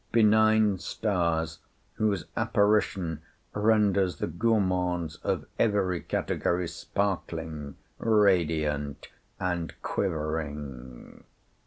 Benign stars, whose apparition renders the gourmands of every category sparkling, radiant, and quivering!"